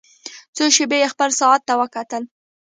څو شېبې يې خپل ساعت ته وکتل.